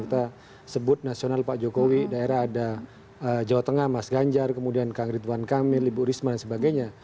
kita sebut nasional pak jokowi daerah ada jawa tengah mas ganjar kemudian kang ridwan kamil ibu risma dan sebagainya